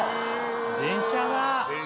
電車だ。